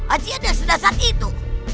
ajiat yang sedasat itu